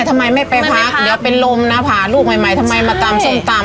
ทำไมไม่ไปพักเดี๋ยวเป็นลมนะผ่าลูกใหม่ทำไมมาตำส้มตำ